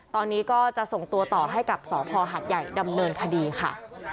ตอนนี้ก็จะส่งตัวต่อให้กับสพหัดใหญ่ดำเนินคดีค่ะ